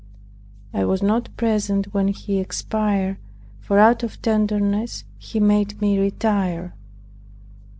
I was not present when he expired, for out of tenderness he made me retire.